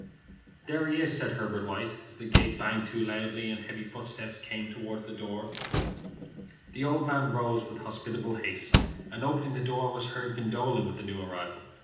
"There he is," said Herbert White, as the gate banged to loudly and heavy footsteps came toward the door. The old man rose with hospitable haste, and opening the door, was heard condoling with the new arrival.